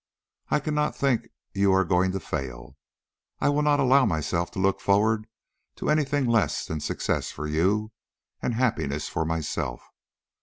I cannot think you are going to fail. I will not allow myself to look forward to any thing less than success for you and happiness for myself.